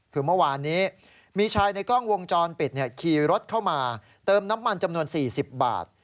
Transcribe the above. คือเมื่อวานนี้มีชายในกล้องวงจรปิดขี่รถเข้ามาเติมน้ำมันจำนวน๔๐บาท